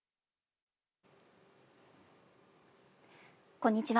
こんにちは。